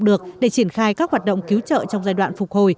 được để triển khai các hoạt động cứu trợ trong giai đoạn phục hồi